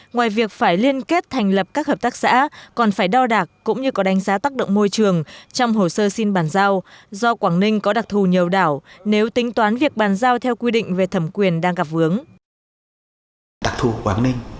ngoài việc phải liên kết thành lập các hợp tác xã còn phải đo đạc cũng như có đánh giá tác động môi trường trong hồ sơ xin bàn giao do quảng ninh có đặc thù nhiều đảo nếu tính toán việc bàn giao theo quy định về thẩm quyền đang gặp vướng